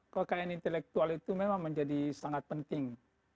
kekayaan intelektual itu memang menjadi sangat penting